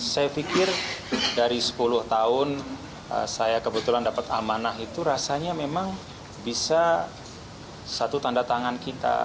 saya pikir dari sepuluh tahun saya kebetulan dapat amanah itu rasanya memang bisa satu tanda tangan kita